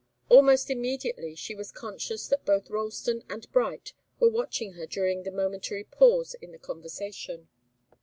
Almost immediately she was conscious that both Ralston and Bright were watching her during the momentary pause in the conversation.